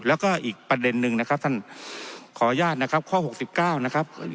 แล้วก็อีกประเด็นนึงนะครับท่านขออนุญาตนะครับข้อ๖๙นะครับ